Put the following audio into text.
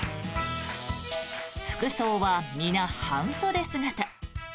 服装は皆、半袖姿。